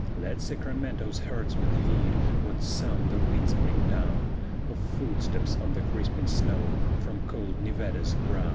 Let Sacramento's herdsmen heed what sound the winds bring down Of footsteps on the crisping snow, from cold Nevada's crown!